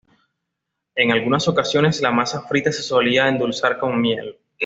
En algunas ocasiones la masa frita se solía endulzar con miel.